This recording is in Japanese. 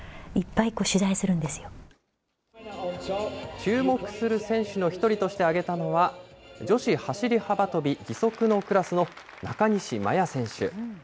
注目する選手の一人として挙げたのは、女子走り幅跳び義足のクラスの中西麻耶選手。